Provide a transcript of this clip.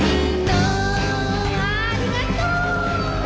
ありがとう！